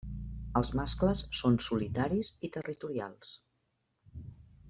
Els mascles són solitaris i territorials.